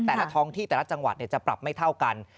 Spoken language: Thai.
แต่ละท้องที่แต่ละจังหวัดจะปรับไม่เท่ากัน